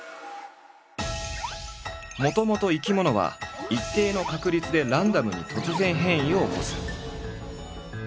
もともと生き物は一定の確率でランダムに突然変異を起こす。